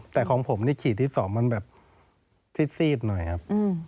แต่ของผมนี่ขีดที่๒มันแบบซีดหน่อยครับ